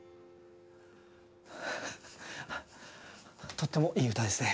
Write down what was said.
とってもいい歌ですね。